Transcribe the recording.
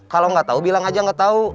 kalo gak tau bilang aja gak tau